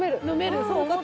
飲める。